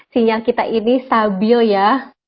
sinyal kita ini stabil ya